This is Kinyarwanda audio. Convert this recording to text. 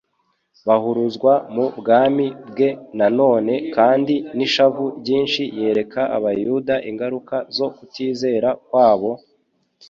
bahurizwa mu bwami bwe. Na none kandi n'ishavu ryinshi yereka abayuda ingaruka zo kutizera kwabo,